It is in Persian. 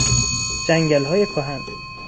جنگلهای کهن